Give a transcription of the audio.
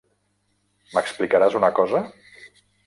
M'explicaràs una cosa?